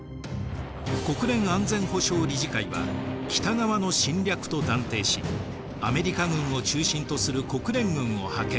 国連安全保障理事会は北側の侵略と断定しアメリカ軍を中心とする国連軍を派遣。